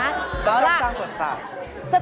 กินเรื่องช่องทางก่อนสาม